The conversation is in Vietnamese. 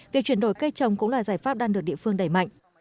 việc chuyển đổi cây trồng cũng là giải pháp đang được địa phương đẩy mạnh